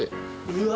うわ！